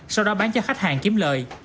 sau đó bán cho khách hàng kiếm lợi